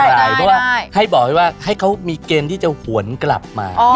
เพราะว่าให้บอกไว้ว่าให้เขามีเกณฑ์ที่จะหวนกลับมา